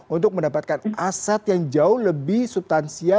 untuk mendapatkan aset yang jauh lebih subtansial